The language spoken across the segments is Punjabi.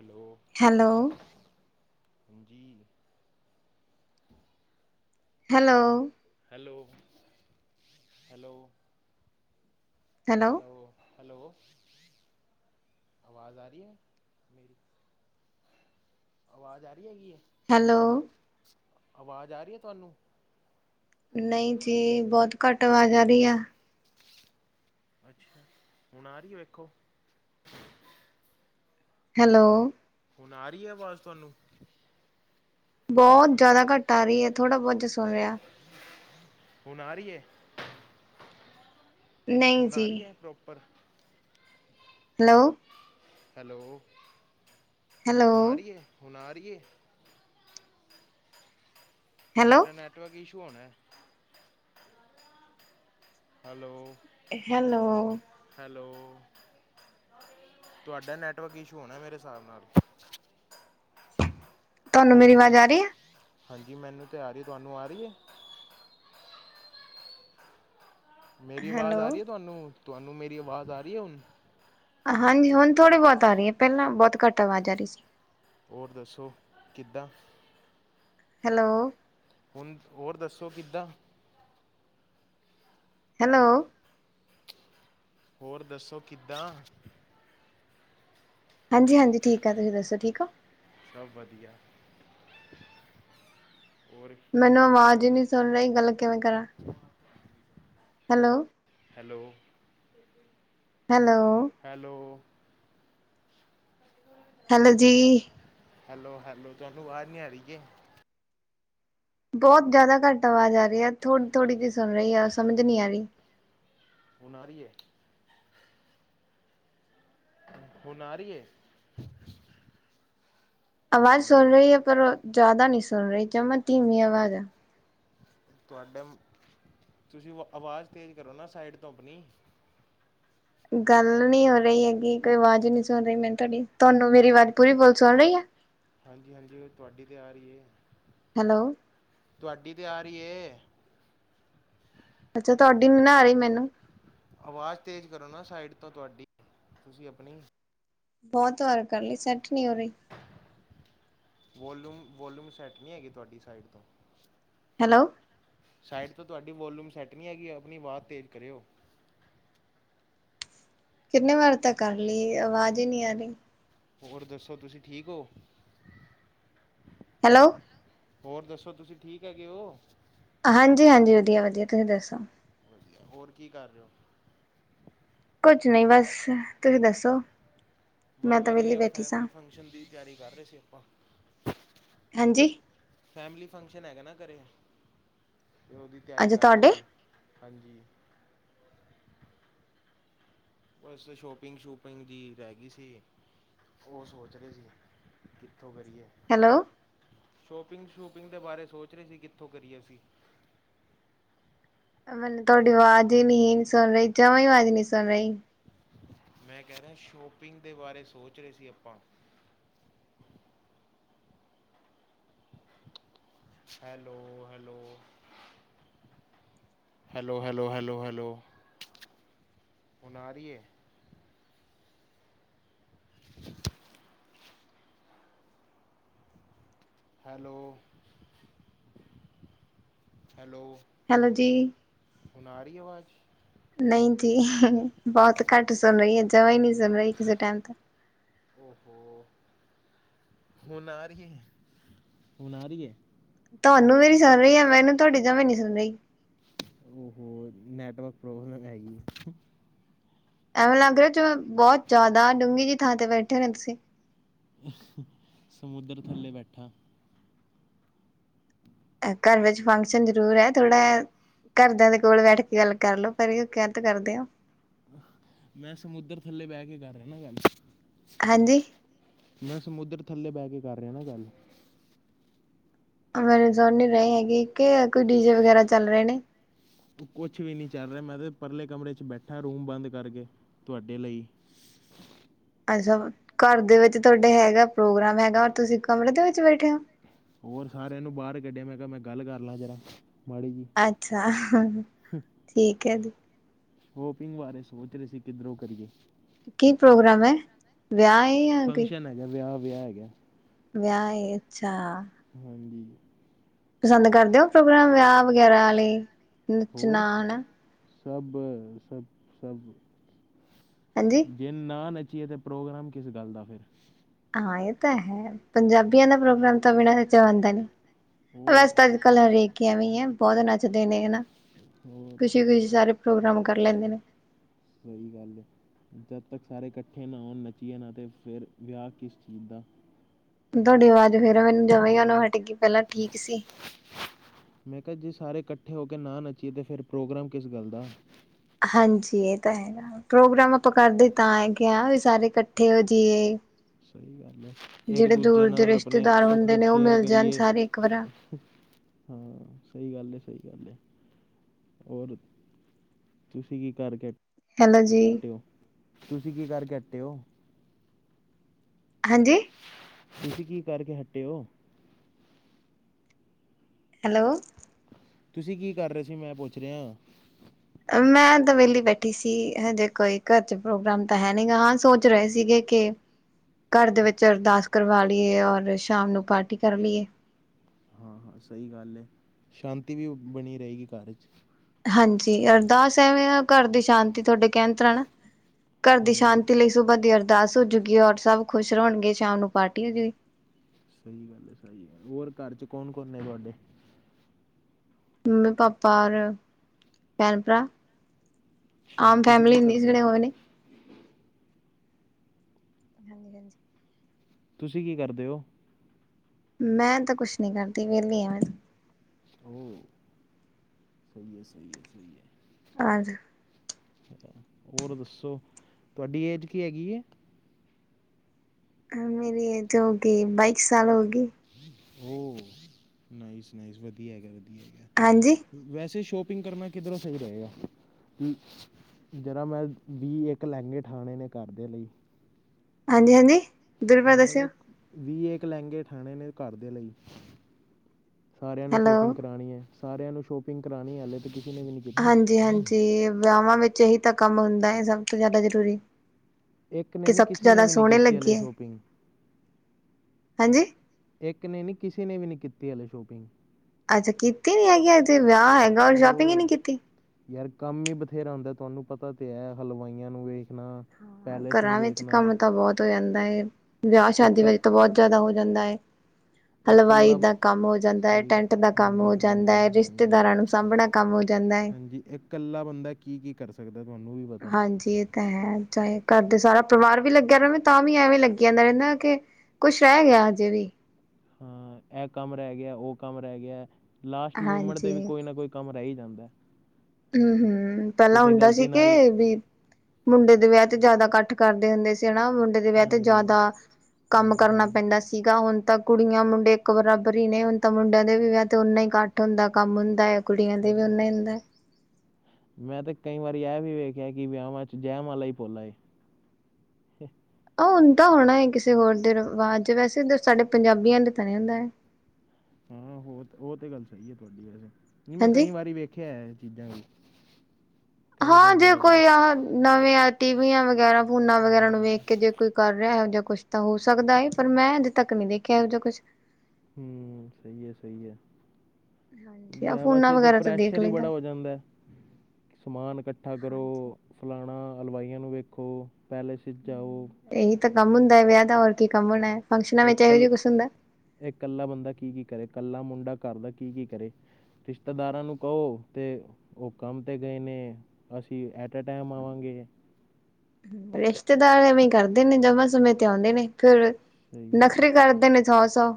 ਹੈਲੋ, ਹੈਲੋ, ਹਾਂਜੀ, hello, hello hello. Hello -hello ਆਵਾਜ਼ ਆ ਰਹੀ ਹੈ ਮੇਰੀ ਆਵਾਜ਼ ਆ ਰਹੀ ਹੈਗੀ ਹੈ? ਹੈਲੋ ਆਵਾਜ਼ ਆ ਰਹੀ ਹੈ ਤੁਹਾਨੂੰ? ਨਹੀਂ ਜੀ, ਬਹੁਤ ਘੱਟ ਆਵਾਜ਼ ਆ ਰਹੀ ਆ ਅੱਛਾ, ਹੁਣ ਆ ਰਹੀ ਹੈ ਵੇਖੋ? ਹੈਲੋ ਹੁਣ ਆ ਰਹੀ ਹੈ ਆਵਾਜ਼ ਤੁਹਾਨੂੰ? ਬਹੁਤ ਜ਼ਿਆਦਾ, ਘੱਟ ਆ ਰਹੀ ਹੈ ਥੋੜਾ- ਬਹੁਤ ਜੇ ਸੁਣਿਆ ਹੁਣ, ਆ ਰਹੀ ਏ? ਨਹੀਂ ਹੁਣ, ਆ ਜੀ, ਰਹੀ ਹੈ ਪ੍ਰੋਪਰ? ਹੈਲੋ ਹੈਲੋ, ਹੈਲੋ, ਹੁਣ ਰਹੀ ਏ, ਹੁਣ ਰਹੀ ਏ ਹੈਲੋ, ਤੁਹਾਡਾ, ਨੈਟਵਰਕ ਇਸ਼ੂ ਹੋਣਾ ਹੈਲੋ ਹੈਲੋ, ਹੈਲੋ, ਤੁਹਾਡਾ ਨੈੱਟਵਰਕ ਇਸ਼ੂ ਹੋਣਾ, ਮੇਰੇ ਹਿਸਾਬ ਨਾਲ ਤੁਹਾਨੂੰ ਮੇਰੀ ਹੈਲੋ, ਆਵਾਜ਼ ਆ ਰਹੀ ਹੈ? ਹਾਂਜੀ ਮੈਨੂੰ ਤ ਆ ਰਹੀ, ਤੁਹਾਨੂੰ ਆ ਰਹੀ? ਮੇਰੀ ਆਵਾਜ਼ ਆ ਹੈਲੋ, ਰਹੀ ਹੈ ਤੁਹਾਨੂੰ -ਤੁਹਾਨੂੰ ਮੇਰੀ ਆਵਾਜ਼ ਆ ਰਹੀ ਹੈ ਹੁਣ ਹਾਂਜੀ, ਹੁਣ ਥੋੜ੍ਹੀ- ਬਹੁਤੀ ਆ ਰਹੀ ਏ, ਪਹਿਲਾਂ ਬਹੁਤ ਘੱਟ ਆਵਾਜ਼ ਆ ਰਹੀ ਸੀ। ਹੋਰ ਦੱਸੋ, ਕਿੱਦਾਂ? ਹੈਲੋ ਹੁਣ, ਹੋਰ ਦੱਸੋ ਕਿੱਦਾਂ? ਹੈਲੋ, ਹੋਰ ਦੱਸੋ, ਕਿੱਦਾਂ? ਹਾਂਜੀ- ਹਾਂਜੀ ਠੀਕ ਆ, ਤੁਸੀਂ ਦੱਸੋ ਠੀਕ ਹੋ? ਸਭ ਵਧੀਆ ਹੋਰ ਮੈਨੂੰ, ਕੀ ਕਰ ਰਹੇ ਆਵਾਜ਼ ਹੋ ਹੀ ਨੀ ਸੁਣ ਰਹੀ, ਗੱਲ ਕਿਵੇਂ ਕਰਾਂ hello hello. Hello hello hello ਜੀ, ਹੈਲੋ -ਹੈਲੋ ਤਹਾਨੂੰ ਆਵਾਜ ਨਈ ਆ ਰਹੀ ਕਿ? ਬਹੁਤ ਜ਼ਿਆਦਾ ਘੱਟ ਆਵਾਜ਼ ਆ ਰਹੀ ਹੈ, ਥੋੜੀ- ਥੋੜ੍ਹੀ ਜਿਹੀ ਸੁਣ ਰਹੀ ਆ, ਸਮਝ ਨਹੀਂੀ ਆ ਰਹੀ ਹੁਣ ਆ ਰਹੀ ਏ? ਹੁਣ ਰਹੀ ਏ? ਆਵਾਜ਼ ਹੈਲੋ ਸੁਣ ਰਹੀ ਏ, ਪਰ ਉਹ ਜ਼ਿਆਦਾ ਨਹੀਂ ਸੁਣ ਰਹੀ, ਕਿਉਂ ਕਿ ਧਮੀ ਆਵਾਜ਼ ਆ ਤੁਹਾਡੇ, ਤੁਸੀਂ ਆਵਾਜ਼ ਤੇਜ਼ ਕਰੋ ਨਾ, ਸਾਈਡ ਤੋਂ ਆਪਣੀ ਗੱਲ ਨੀ ਹੋ ਰਹੀ ਹੈਗੀ, ਕੋਈ ਆਵਾਜ਼ ਨੀ ਸੁਣ ਰਹੀ ਮੈਨ ਤੁਹਾਡੀ, ਤੁਹਾਨੂੰ ਮੇਰੀ ਆਵਾਜ਼ ਪੂਰੀ ਬੋਲ ਸੁਣ ਰਹੀ ਆ ਹਾਂਜੀ -ਹਾਂਜੀ ਉਹ ਤੁਹਾਡੀ ਤਾਂ ਤੇ ਆ ਰਹੀ ਏ ਹੈਲੋ ਤੁਹਾਡੀ, ਤੇ ਆ ਰਹੀ ਏ ਅੱਛਾ, ਤੁਹਾਡੀ ਨਈ ਨਾ ਰਹੀ ਮੈਨੂੰ ਆਵਾਜ਼, ਤੇਜ਼ ਕਰੋ ਨਾ ਸਾਈਡ ਤੋਂ, ਤੁਹਾਡੀ ਤੁਸੀਂ ਆਪਣੀ ਬਹੁਤ ਵਾਰ ਕਰ ਲਈ ਸੈੱਟ ਨੀ ਹੋ ਰਹੀ। ਵੋਲਿਮ ਵੋਲੂਮ ਸੈੱਟ ਨਹੀਂ ਹੈਗੀ ਤੁਹਾਡੀ ਸਾਈਡ ਤੋਂ। ਹੈਲੋ, ਸਾਈਟ ਤੋਂ ਤੁਹਾਡੀ ਵੋਲੂਮ ਸੈੱਟ ਨਹੀਂ ਹੈਗੀ ਆਪਣੀ ਆਵਾਜ਼ ਤੇਜ਼ ਕਰਿਓ। ਕਿੰਨੇ ਵਾਰ ਤਾਂ ਕਰ ਲਈ ਆਵਾਜ਼ ਈ ਨੀ ਆ ਰੀ। ਹੋਰ ਦੱਸੋ ਤੁਸੀ ਠੀਕ ਓ? ਹੈਲੋ। ਹੋਰ ਦੱਸੋ ਤੁਸੀਂ ਠੀਕ ਹੈਗੇ ਓ? ਹਾਂਜੀ ਹਾਂਜੀ ਵਧੀਆ ਵਧੀਆ ਤੁਸੀਂ ਦੱਸੋ। ਵਧੀਆ ਹੋਰ ਕੀ ਕਰ ਰਹੇ ਓ? ਕੁਝ ਨੀ ਬਸ ਤੁਸੀਂ ਦੱਸੋ ਮੈਂ ਤਾਂ ਵਿਹਲੀ ਬੈਠੀ ਸਾਂ। ਹਿੰਦੀ ਦੀ ਤਿਆਰੀ ਕਰ ਰਹੇ ਸੀ ਆਪਾਂ। ਹਾਂਜੀ। ਫੈਮਿਲੀ ਫੰਕਸ਼ਨ ਹੈਗਾ ਨਾ ਘਰੇ ਤੇ ਉਹਦੀ ਤਿਆਰੀ ਅੱਛਾ ਕਰ ਰਹੇ ਤੁਹਾਡੇ ਸੀ ਹਾਂਜੀ। ਬਸ ਸ਼ੋਪਿੰਗ ਸ਼ੂਪਿੰਗ ਜੀ ਰਹਿ ਗਈ ਸੀ। ਉਹ ਸੋਚ ਰਹੇ ਸੀ ਕਿੱਥੋਂ ਕਰੀਏ? ਹੈਲੋ। ਸ਼ੋਪਿੰਗ ਸ਼ੂਪਿੰਗ ਦੇ ਬਾਰੇ ਸੋਚ ਰਹੇ ਸੀ ਕਿੱਥੋਂ ਕਰੀਏ ਅਸੀਂ? ਮੈਨੂੰ ਤੁਹਾਡੀ ਆਵਾਜ਼ ਹੀ ਨੀ ਸੁਣ ਰਹੀ, ਜਮਾਂ ਆਵਾਜ਼ ਨੀ ਸੁਣ ਰਹੀ। ਮੈਂ ਕਹਿ ਰਿਹਾ ਸ਼ੋਪਿੰਗ ਦੇ ਬਾਰੇ ਸੋਚ ਰਹੇ ਸੀ ਆਪਾਂ। Hello hello hello hello hello hello ਹੁਣ ਆ ਰਹੀ ਏ। [inaudible] Hello, hello. ਹੈਲੋ ਜੀ। ਹੁਣ ਆ ਰੀ ਆਵਾਜ਼। ਨਹੀਂ ਜੀ ਬਹੁਤ ਘੱਟ ਸੁਣ ਰਹੀ ਏ, ਜਵਾ ਹੀ ਨਹੀਂ ਸੁਣ ਰਹੀ ਕਿਸੇ ਟਾਈਮ ਤੇ ਓ ਹੋ। ਹੁਣ ਆ ਰੀ ਏ, ਹੁਣ ਆ ਰੀ ਏ। ਤੁਹਾਨੂੰ ਮੇਰੀ ਸੁਣ ਰੀ ਏ, ਮੈਨੂੰ ਤੁਹਾਡੀ ਜਮਾ ਨੀ ਸੁਣ ਰਹੀ। ਓ ਹੋ ਨੈਟਵਰਕ ਪ੍ਰੋਬਲਮ ਹੈਗੀ। ਐਵੇ ਲੱਗ ਰਿਹਾ ਜਿਵੇਂ ਬਹੁਤ ਜ਼ਿਆਦਾ ਡੂੰਘੀ ਜੀ ਥਾਂ ਤੇ ਬੈਠੇ ਹੋਣੇ ਤੁਸੀਂ। ਸਮੁੰਦਰ ਥੱਲੇ ਬੈਠਾ। ਘਰ ਵਿੱਚ ਫੰਕਸ਼ਨ ਜ਼ਰੂਰ ਐ ਥੋੜ੍ਹਾ ਘਰਦਿਆਂ ਦੇ ਕੋਲ ਬੈਠ ਕੇ ਗੱਲ ਕਰਲੋ ਪਰੇ ਹੋ ਕੇ ਕਾਹਤੋਂ ਕਰਦੇ ਓ। ਮੈਂ ਸਮੁੰਦਰ ਥੱਲੇ ਬਹਿ ਕੇ ਕਰ ਰਿਹਾ ਨਾ ਗੱਲ। ਹਾਂਜੀ? ਮੈਂ ਸਮੁੰਦਰ ਥੱਲੇ ਬਹਿ ਕੇ ਕਰ ਰਿਹਾ ਨਾ ਗੱਲ। ਮੈਨੂੰ ਸੁਣ ਨੀ ਰੀ ਹੈਗੀ ਕਿ ਕੋਈ ਡੀਜੇ ਵਗੈਰਾ ਚੱਲ ਰਹੇ ਨੇ? ਕੁਛ ਵੀ ਨਹੀਂ ਚੱਲ ਰਿਹਾ, ਮੈਂ ਤਾਂ ਪਰਲੇ ਕਮਰੇ ਚ ਬੈਠਾ ਰੂਮ ਬੰਦ ਕਰਕੇ ਤੁਹਾਡੇ ਲਈ। ਅੱਛਾ ਘਰ ਦੇ ਵਿੱਚ ਤੁਹਾਡੇ ਹੈਗਾ ਪ੍ਰੋਗਰਾਮ ਹੈਗਾ ਔਰ ਤੁਸੀਂ ਕਮਰੇ ਦੇ ਵਿੱਚ ਬੈਠੇ ਓ? ਹੋਰ ਸਾਰਿਆਂ ਨੂੰ ਬਾਹਰ ਕੱਢਿਆ ਮੈਂ ਕਿਹਾ ਮੈਂ ਗੱਲ ਕਰ ਲਵਾਂ ਜ਼ਰਾ ਮਾੜੀ ਜੀ। ਅੱਛਾ, ਠੀਕ ਏ ਜੀ। ਸੌਪਿੰਗ ਬਾਰੇ ਸੋਚ ਰਹੇ ਸੀ ਕਿੱਧਰੋਂ ਕਰੀਏ। ਕੀ ਪ੍ਰੋਗਰਾਮ ਏ ਵਿਆਹ ਜਾਂ ਕੋਈ? ਫੰਕਸ਼ਨ ਵਿਆਹ ਵਿਆਹ ਹੈਗਾ। ਵਿਆਹ ਏ ਅੱਛਾ। ਹਾਂਜੀ। ਪਸੰਦ ਕਰਦੇ ਓ ਪ੍ਰੋਗਰਾਮ ਵਿਆਹ ਵਗੈਰਾ ਲੀ ਹੋਰ ਨੱਚਣਾ ਹਨਾ? ਸਭ ਸਭ ਸਭ, ਹਾਂਜੀ ਜੇ ਨਾ ਨੱਚੀਏ ਤੇ ਪ੍ਰੋਗਰਾਮ ਕਿਸ ਗੱਲ ਦਾ ਫਿਰ। ਹਾਂ ਏ ਤਾਂ ਹੈ। ਪੰਜਾਬੀਆਂ ਦਾ ਪ੍ਰੋਗਰਾਮ ਤਾਂ ਬਿਨਾਂ ਨੱਚਿਆ ਹੁੰਦਾ ਨੀ, ਵੈਸੇ ਹੋਰ ਤਾਂ ਅੱਜ ਕੱਲ ਹਰੇਕ ਕਿ ਐਵੇਂ ਈ ਬਹੁਤ ਨੱਚਦੇ ਨੇ ਹਨਾ, ਹੋਰ ਖੁਸ਼ੀ ਖੁਸ਼ੀ ਸਾਰੇ ਪ੍ਰੋਗਰਾਮ ਕਰ ਲੈਂਦੇ ਨੇ। ਸਹੀ ਗੱਲ ਏ। ਜਦ ਤੱਕ ਸਾਰੇ ਇਕੱਠੇ ਨਾ ਹੋਣ ਨੱਚੀਏ ਨਾ ਤੇ ਫਿਰ ਵਿਆਹ ਕਿਸ ਚੀਜ਼ ਦਾ। ਤੁਹਾਡੀ ਆਵਾਜ਼ ਫੇਰ ਮੈਨੂੰ ਜਮਾ ਹੀ ਆਉਣੀ ਹੱਟ ਗਈ ਪਹਿਲਾਂ ਠੀਕ ਸੀ। ਮੈਂ ਕਿਹਾ ਜੇ ਸਾਰੇ ਇਕੱਠੇ ਹੋ ਕੇ ਨਾ ਨੱਚੀਏ ਤੇ ਫਿਰ ਪ੍ਰੋਗਰਾਮ ਕਿਸ ਗੱਲ ਦਾ। ਹਾਂਜੀ ਇਹ ਤਾਂ ਹੈ, ਪ੍ਰੋਗਰਾਮ ਆਪਾਂ ਕਰਦੇ ਤਾਂ ਹੈਗੇ ਆ ਵੀ ਸਾਰੇ ਇਕੱਠੇ ਹੋਜੀਏ। ਸਹੀ ਗੱਲ ਐ, ਇੱਕ ਦੂਜੇ ਦੇ ਨਾਲ ਆਪਣੇ ਰਿਸ਼ਤੇਦਾਰ ਸੁੱਖ ਹੁੰਦੇ ਦੁੱਖ ਨੇ ਉਹ ਸ਼ੇਅਰ ਮਿਲ ਜਾਣ ਕਰੀਏ। ਸਾਰੇ ਇੱਕ ਵਾਰਾ ਹਾਂ ਸਹੀ ਗੱਲ ਐ, ਸਹੀ ਗੱਲ ਐ, ਹੋਰ? ਤੁਸੀਂ ਕੀ ਕਰਦੇ? ਹੈਲੋ ਜੀ। ਤੁਸੀਂ ਕੀ ਕਰਕੇ ਹੱਟੇ ਓ? ਹਾਂਜੀ? ਤੁਸੀਂ ਕੀ ਕਰਕੇ ਹਟੇ ਓ। ਹੈਲੋ। ਤੁਸੀਂ ਕੀ ਕਰ ਰਹੇ ਸੀ ਮੈਂ ਏ ਪੁੱਛ ਰਿਹਾ? ਮੈਂ ਤਾਂ ਵਿਹਲੀ ਬੈਠੀ ਸੀ ਹਜੇ ਕੋਈ ਘਰ ਚ ਪ੍ਰੋਗਰਾਮ ਤਾਂ ਹੈ ਨੀ ਗ ਹਾਂ ਸੋਚ ਰਹੇ ਸੀਗੇ ਕੇ ਘਰ ਦੇ ਵਿੱਚ ਅਰਦਾਸ ਕਰਵਾ ਲਈਏ ਔਰ ਸ਼ਾਮ ਨੂੰ ਪਾਰਟੀ ਕਰ ਲਈਏ। ਹਾਂ ਹਾਂ ਸਹੀ ਗੱਲ ਐ ਸ਼ਾਂਤੀ ਵੀ ਬਣੀ ਰਹੇਗੀ ਘਰ ਚ। ਹਾਂਜੀ ਅਰਦਾਸ ਐਵੇਂ ਆ ਘਰ ਦੀ ਸ਼ਾਂਤੀ ਤੁਹਾਡੇ ਕਹਿਣ ਤੇ ਨਾ ਘਰ ਦੀ ਹਾਂਜੀ ਸ਼ਾਂਤੀ ਲਈ ਸੁਵਾ ਦੀ ਅਰਦਾਸ ਹੋਜੂਗੀ ਔਰ ਸਭ ਖੁਸ਼ ਰਹਿਣਗੇ ਸ਼ਾਮ ਨੂੰ ਪਾਰਟੀ ਹੋਜੂਗੀ। ਸਹੀ ਗੱਲ ਐ ਸਹੀ ਗੱਲ ਹੋਰ ਘਰ ਚ ਕੌਣ ਕੌਣ ਨੇ ਤੁਹਾਡੇ? ਮੰਮੀ, ਪਾਪਾ ਔਰ ਭੈਣ, ਭਰਾ। ਅੱਛਾ ਆਮ ਤੁਸੀਂ ਫੈਮਲੀ ਕੀ ਹੁੰਦੀ ਕਰਦੇ ਹੋ ਜਿਹੜੇ ਓ ਨੇ। ਹਾਂਜੀ ਹਾਂਜੀ। ਤੁਸੀਂ ਕੀ ਕਰਦੇ ਓ? ਮੈਂ ਤਾਂ ਕੁਛ ਨੀ ਕਰਦੀ ਵਿਹਲੀ ਆ ਮੈਂ ਤੇ। ਓ ਸਹੀ ਐ ਸਹੀ ਐ ਸਹੀ ਐ। ਹਾਂਜੀ। ਹੋਰ ਦੱਸੋ ਤੁਹਾਡੀ ਏਜ ਕੀ ਹੈਗੀ ਐ। ਮੇਰੀ ਏਜ ਹੋਊਗੀ ਬਾਈਕ ਸਾਲ ਹੋਊਗੀ। ਓ ਨਾਈਸ ਨਾਈਸ ਵਧੀਆ ਹੈਗਾ ਵਧੀਆ ਹੈਗਾ। ਹਾਂਜੀ। ਵੈਸੇ ਸ਼ੋਪਿੰਗ ਕਰਨਾ ਕਿੱਧਰੋਂ ਸਹੀ ਰਹੇਗਾ। ਕਿ ਜਰਾ ਮੈਂ ਵੀਹ ਇੱਕ ਲਹਿੰਗੇ ਠਾਣੇ ਨੇ ਘਰ ਦੇ ਲਈ। ਹਾਂਜੀ ਹਾਂਜੀ। ਦੁਰਬਾ ਮੈਂ ਦੱਸਿਓ ਕਿਹਾ ਵੀਹ ਏਕ ਲਹਿੰਗੇ ਠਾਣੇ ਨੇ ਘਰ ਦੇ ਲਈ। ਸਾਰਿਆਂ ਨੂੰ ਹੈਲੋ ਸ਼ੋਪਿੰਗ ਕਰਾਣੀ ਐ ਸਾਰਿਆਂ ਨੂੰ ਸ਼ੋਪਿੰਗ ਕਰਾਣੀ ਹਾਲੇ ਤਾਂ ਕਿਸੀ ਨੇ ਵੀ ਕੀਤੀ ਹਾਂਜੀ- ਹਾਂਜੀ। ਵਿਆਹਾਂ ਵਿੱਚ ਇਹੀ ਤਾਂ ਕੰਮ ਹੁੰਦਾ ਹੈ ਸਭ ਤੋਂ ਜ਼ਿਆਦਾ ਜ਼ਰੂਰੀ। ਇੱਕ ਨੇ ਕਿ ਨਹੀਂ ਸਭ ਤੋਂ ਕਿਸੇ ਨੇ ਜ਼ਿਆਦਾ ਵੀ ਨਹੀਂ ਸੋਹਣੇ ਕੀਤੀ ਲੱਗੇ ਹਾਲੇ ਏ। ਸ਼ੋਪਿੰਗ ਹਾਂਜੀ। ਇੱਕ ਨੇ ਨੀ, ਕਿਸੇ ਨੇ ਵੀ ਨੀ ਕੀਤੀ ਹਾਲੇ ਸ਼ੋਪਿੰਗ। ਅੱਜੇ ਕੀਤੀ ਨੀ ਹੈਗੀ, ਅੱਜੇ ਵਿਆਹ ਹੈਗਾ ਰ ਸ਼ੋਪਿੰਗ ਹੀ ਉਹ ਨੀ ਕੀਤੀ। ਯਾਰ ਕੰਮ ਹੀ ਬਥੇਰਾ ਹੁੰਦਾ ਤੁਹਾਨੂੰ ਪਤਾ ਤੇ ਹੈ ਹਲਵਾਈਆਂ ਨੂੰ ਵੇਖਣਾ ਹਾਂ, ਪੈਲੇਸ ਨੂੰ ਘਰਾਂ ਵਿੱਚ ਵੇਖਣਾ ਕੰਮ ਤਾਂ ਬਹੁਤ ਹੋ ਜਾਂਦਾ ਹੈ। ਵਿਆਹ, ਸ਼ਾਦੀ ਇੱਕ ਵ ਤਾਂ ਬਹੁਤ ਜ਼ਿਆਦਾ ਹੋ ਜਾਂਦਾ ਹੈ। ਹਲਵਾਈ ਇਕੱਲਾ ਦਾ ਕੰਮ ਹੋ ਜਾਂਦਾ ਹੈ, ਸਹੀ ਟੈਂਟ ਦਾ ਕੰਮ ਹਾਂਜੀ ਹੋ ਜਾਂਦਾ ਹਾਂਜੀ ਹੈ, ਹਾਂਜੀ ਰਿਸ਼ਤੇਦਾਰਾਂ ਨੂੰ ਸਾਂਭਣਾ ਕੰਮ ਹੋ ਜਾਂਦਾ ਹੈ। ਹਾਂਜੀ ਇਕੱਲਾ ਬੰਦਾ ਕੀ -ਕੀ ਕਰ ਸਕਦਾ ਤੁਹਾਨੂੰ ਵੀ ਪਤਾ ਹਾਂਜੀ। ਏ ਹੈ ਤੇ ਚਾਹੇ ਘਰ ਦੇ ਸਾਰਾ ਪਰਿਵਾਰ ਵੀ ਲੱਗਿਆ ਰਹੇ ਤਾਂ ਵੀ ਐਵੇਂ ਲੱਗ ਜਾਂਦਾ ਰਹਿੰਦਾ ਕਿ ਕੁਛ ਰਹਿ ਗਿਆ ਅਜੇ ਵੀ। ਹਾਂ। ਇਹ ਕੰਮ ਰਹਿ ਗਿਆ, ਉਹ ਕੰਮ ਰਹਿ ਗਿਆ। ਲਾਸਟ ਮੂਮੈਂਟ ਤੇ ਹਾਂਜੀ ਵੀ ਕੋਈ ਨਾ ਕੋਈ ਕੰਮ ਰਹਿ ਹੀ ਜਾਂਦਾ। ਹੂ- ਹੂ ਪਹਿਲਾਂ ਕਿਤੇ ਹੁੰਦਾ ਸੀ ਗਲਤੀ ਕੇ ਨਾਲ ਮੁੰਡੇ ਦੇ ਵਿਆਹ ਤੇ ਜ਼ਿਆਦਾ ਇਕੱਠ ਕਰਦੇ ਹੁੰਦੇ ਸੀ ਹਨਾ। ਮੁੰਡੇ ਵੈਸੇ ਹਾਂਜੀ ਜਿਆਦਾ, ਕੰਮ ਹਾਂਜੀ ਕਰਨਾ ਹਾਂਜੀ ਪੈਂਦਾ ਸੀਗਾ। ਹੁਣ ਤਾਂ ਕੁੜੀਆਂ- ਮੁੰਡੇ ਇੱਕ ਬਰਾਬਰ ਹੀ ਨਹੀਂ ਹੁਣ ਤਾਂ ਮੁੰਡਿਆਂ ਦੇ ਵਿਆਹ ਤੇ ਨਾ ਹੀ ਘੱਟ ਹੁੰਦਾ ਕੰਮ ਹੁੰਦਾ ਹੈ। ਕੁੜੀਆਂ ਦੇ ਵੀ ਹਾਂਜੀ ਉਨਾਂ ਹੀ ਹੁੰਦਾ। ਮੈਂ ਤੇ ਕਈ ਵਾਰੀ ਇਹ ਵੀ ਵੇਖਿਆ ਕਿ ਵਿਆਹਾਂ ਚ' ਜੈ ਮਾਲਾ ਹੀ ਪੋਉਂਦਾ ਏ। ਉਹ ਤਾਂ ਹੋਣਾ ਹੈ ਕਿਸੇ ਹੋਰ ਦੇ ਰਿਵਾਜ਼ ਵੈਸੇ ਸਾਡੇ ਪੰਜਾਬੀਆਂ ਲਈ ਤਾਂ ਨਹੀਂ ਹੁੰਦਾ ਹੈ। ਹਾਂ, ਹੋ ਉਹ ਤੇ ਗੱਲ ਸਹੀ ਹੈ ਤੁਹਾਡੀ ਵੈਸੇ, ਨਹੀਂ ਮੈਂ ਕਈ ਹਾਂਜੀ ਵਾਰੀ ਵੇਖਿਆ ਹੈ ਇਹ ਚੀਜ਼ਾਂ ਵੀ ਕਈ ਹਾਂ, ਕਈ ਜੇ ਜਗ੍ਹਾ 'ਤੇ ਕੋਈ ਆਹ ਨਵੀਆਂ ਟੀਵੀਆਂ ਵਗੈਰਾ ਫੋਨਾ ਵਗੈਰਾ ਨੂੰ ਹਾਂ ਵੇਖ ਕੇ ਜੇ ਕੋਈ ਕਰ ਰਿਹਾ ਹੋ ਜਾਂ ਕੁਛ ਤਾਂ ਹੋ ਸਕਦਾ ਹੈ ਏ ਪਰ ਮੈਂ ਅਜੇ ਤੱਕ ਨਹੀਂ ਦੇਖਿਆ ਇਹੋ ਜਿਹਾ ਕੁਛ। ਹੂ ਸਹੀ ਹੈ, ਸਹੀ ਹੈ। ਜਾਂ ਵਿਆਹਵ ਫੋਨਾਂ ਚ' ਤੇ ਵਗੈਰਾ ਤਾਂ ਦੇਖ ਪ੍ਰੈਸ਼ਰ ਹੀ ਲਈਦਾ। ਬੜਾ ਹੋ ਜਾਂਦਾ ਹੈ। ਸਮਾਨ ਇਕੱਠਾ ਹਾਂਜੀ ਕਰੋ, ਫਲਾਣਾ ਅਲਵਾਈਆਂ ਨੂੰ ਵੇਖੋ, ਪੈਲੇਸ ਜਾਓ। ਹੂੰ ਇਹੀ ਤਾਂ ਕੰਮ ਹੁੰਦਾ ਵਿਆਹ ਦਾ ਹੋਰ ਕੀ ਕੰਮ ਹੋਣਾ ਹੈ। ਫੰਕਸ਼ਨਾਂ ਵਿੱਚ ਇਕ ਇਹੋ ਜਿਹਾ ਕੁਛ ਹੁੰਦਾ। ਇਹ ਇਕੱਲਾ ਬੰਦਾ ਕੀ- ਕੀ ਕਰੇ, ਇਕੱਲਾ ਮੁੰਡਾ ਘਰ ਦਾ ਕੀ- ਕੀ ਕਰੇ। ਰਿਸ਼ਤੇਦਾਰਾਂ ਨੂੰ ਕਹੋ। ਤੇ ਉਹ ਕੰਮ ਤੇ ਗਏ ਨੇ। ਅਸੀਂ ਐਟ ਟਾਈਮ ਆਵਾਂਗੇ। ਰਿਸ਼ਤੇਦਾਰ ਐਵੇਂ ਕਰਦੇ ਨੇ ਜਮਾਂ ਸਮੇਂ ਤੇ ਆਉਂਦੇ ਨੇ ਫਿਰ। ਸਹੀ ਆ ਨਖਰੇ ਕਰਦੇ ਨੇ ਸੌ- ਸੌ।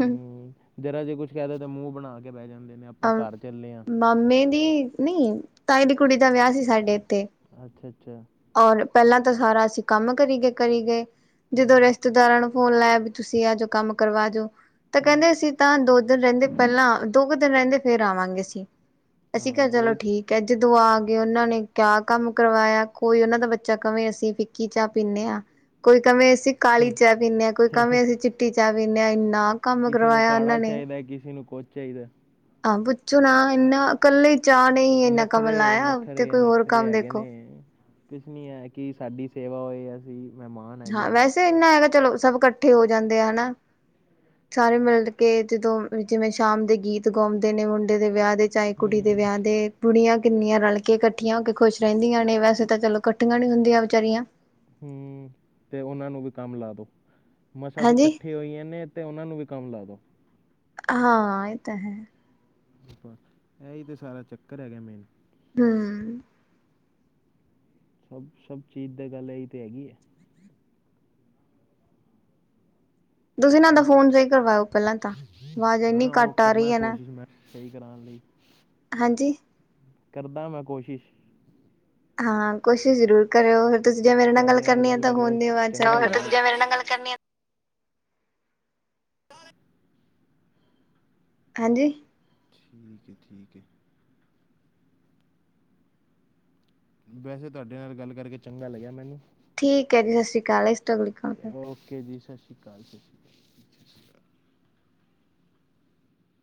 ਹੂੰ ਜ਼ਰਾ ਜੇ ਕੁੱਛ ਕਹਿ ਦੋ ਤਾਂ ਮੂੰਹ ਬਣਾ ਕੇ ਬਹਿ ਜਾਂਦੇ ਨੇ, ਆਪਾਂ ਘਰ ਚੱਲੇ ਹਾਂ। ਮਾਮੇ ਦੀ ਨਹੀਂ, ਤਾਈ ਦੀ ਕੁੜੀ ਦਾ ਵਿਆਹ ਸੀ ਸਾਡੇ ਇੱਥੇ। ਅੱਛਾ- ਅੱਛਾ। ਔਰ ਪਹਿਲਾਂ ਤਾਂ ਸਾਰਾ ਅਸੀਂ ਕੰਮ ਕਰੀ ਗਏ ਕਰੀ ਗਏ। ਜਦੋਂ ਰਿਸ਼ਤੇਦਾਰਾਂ ਨੂੰ ਫੋਨ ਲਾਇਆ ਵੀ ਤੁਸੀਂ ਆ ਜੋ ਕੰਮ ਕਰਵਾ ਜੋਓ, ਤਾਂ ਹੂੰ। ਕਹਿੰਦੇ ਅਸੀਂ ਤਾਂ ਦੋ ਦਿਨ ਰਹਿੰਦੇ ਪਹਿਲਾਂ ਦੋ ਕੁ ਦਿਨ ਰਹਿੰਦੇ ਫੇਰ ਆਵਾਂਗੇ ਅਸੀ। ਅਸੀਂ ਕਿਹਾ ਚਲੋ ਠੀਕ ਹੈ ਜਦੋਂ ਆ ਗਏ ਉਹਨਾਂ ਨੇ ਕਿਆ ਕੰਮ ਕਰਵਾਇਆ। ਕੋਈ ਉਹਨਾਂ ਦਾ ਬੱਚਾ ਕਵੇਂ ਅਸੀਂ ਫਿੱਕੀ ਚਾਹ ਪੀਂਦੇ ਹਾਂ, ਕੋਈ ਹਾਂ ਕਵੇਂ ਅਸੀਂ ਕਾਲੀ ਚਾਹ ਪੀਂਦੇ ਹਾਂ, ਕੋਈ ਕਵੇ ਅਸੀਂ ਚਿੱਟੀ ਚਾਹ ਪੀਂਦੇ ਹਾਂ। ਇੰਨਾ ਕੰਮ ਕਿਸੇ ਨੂੰ ਕਰਵਾਇਆ ਉਹਨਾਂ ਕਾੜਾ ਚਾਹੀਦਾ, ਕਿਸੇ ਨੂੰ ਕੁੱਛ ਚਾਹੀਦਾ। ਆ ਪੁੱਛੋ ਨਾ ਇਨਾਂ ਇਕੱਲੇ ਚਾਰ ਨਖਰੇ ਨਖਰੇ ਨਖਰੇ ਕੰਮ ਹੈਗੇ ਦੇਖੋ ਨੇ। ਕੁਛ ਨੀ ਹੈ ਕਿ ਸਾਡੀ ਸੇਵਾ ਹੋਏ ਅਸੀਂ ਮਹਿਮਾਨ ਹੈਗੇ ਹਾਂ ਵੈਸੇ ਇੰਨਾ ਹੈਗਾ ਚਲੋ ਸਭ ਇਕੱਠੇ ਹੋ ਜਾਂਦੇ ਆ ਹਨਾ। ਸਾਰੇ ਮਿਲ ਕੇ ਜਦੋਂ ਜਿਵੇਂ ਸ਼ਾਮ ਦੇ ਗੀਤ ਗਾਉਂਦੇ ਨੇ ਮੁੰਡ ਮੁਡੇ ਦੇ ਵਿਆਹ ਦੇ ਚਾਹੇ ਕੁੜੀ ਦੇ ਹੂੰ ਵਿਆਹ ਦੇ। ਬੁੜੀਆਂ ਕਿੰਨੀਆਂ ਰਲ ਕੇ ਇਕੱਠੀਆਂ ਹੋ ਕੇ ਖੁਸ਼ ਰਹਿੰਦੀਆਂ ਨੇ ਵੈਸੇ ਤਾਂ ਚਲੋ ਇਕੱਠੀਆਂ ਨੀ ਹੁੰਦੀਆਂ ਵਿਚਾਰੀਆਂ। ਹੂੰ, ਤੇ ਉਹਨਾਂ ਨੂੰ ਵੀ ਕੰਮ ਲਾ ਦੋ। ਮਸਾਂ ਤੇ ਹਾਂਜੀ ਇਕੱਠੇ ਹੋਈਆਂ ਨੇ ਤੇ ਉਹਨਾਂ ਨੂੰ ਵੀ ਕੰਮ ਲਾ ਦੋ। ਹਾਂ ਏ ਤਾਂ ਹੈ। ਇਹੀ ਤਾਂ ਸਾਰਾ ਚੱਕਰ ਹੈਗਾ ਮੇਨ। ਹੂੰ, ਸਭ ਸਭ ਚੀਜ਼ ਦੀ ਗੱਲ ਇਹੀ ਤਾਂ ਹੈਗੀ ਐ। ਤੁਸੀਂ ਇਹਨਾਂ ਦਾ ਫੋਨ ਸਹੀ ਕਰਵਾਓ ਪਹਿਲਾਂ ਤਾਂ ਆਵਾਜ਼ ਇੰਨੀ ਹਾਂ ਓ ਘੱਟ ਆ ਰਹੀ ਕਰਨਾ ਹੈ ਨਾ ਕੋਸ਼ਿਸ਼ ਮੈਂ ਸਹੀ ਕਰਾਣ ਲਈ। ਹਾਂਜੀ। ਕਰਦਾ ਮੈਂ ਕੋਸ਼ਿਸ਼। ਹਾਂ, ਕੋਸ਼ਿਸ਼ ਜ਼ਰੂਰ ਕਰਿਓ ਫਿਰ ਤੁਸੀਂ ਜੇ ਮੇਰੇ ਨਾਲ ਗੱਲ ਕਰਨੀ ਆ ਤਾਂ ਫੋਨ ਦੀ ਆਵਾਜ਼ ਸੈੱਟ ਕਰੋ। ਜੇ ਮੇਰੇ ਨਾਲ ਗੱਲ, ਕਰਨੀ ਆ। ਹਾਂਜੀ, ਠੀਕ ਐ ਠੀਕ ਐ। ਵੈਸੇ ਤੁਹਾਡੇ ਨਾਲ ਗੱਲ ਕਰਕੇ ਚੰਗਾ ਲੱਗਿਆ ਮੈਨੂੰ। ਠੀਕ ਐ ਜੀ ਸਤਿ ਸ਼੍ਰੀ ਅਕਾਲ। ਤੋਂ ਅਗਲੀ ਕਾਲ ਓਕੇ ਜੀ ਸਤਿ ਸ਼੍ਰੀ ਅਕਾਲ ਜੀ।